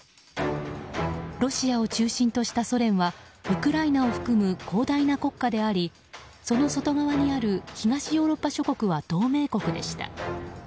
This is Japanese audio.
ロシアを中心としたソ連はウクライナを含む広大な国家でありその外側にある東ヨーロッパ諸国は同盟国でした。